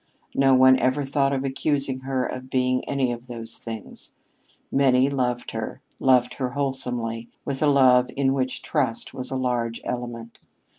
No one ever thought of accusing her of being any of those things. Many loved her loved her wholesomely, with a love in which trust was a large element.